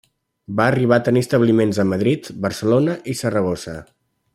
Va arribar a tenir establiments a Madrid, Barcelona i Saragossa.